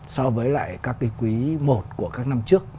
so với lại các cái quý i của các năm trước